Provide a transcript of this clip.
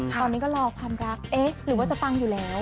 ตอนนี้ก็รอความรักเอ๊ะหรือว่าจะปังอยู่แล้ว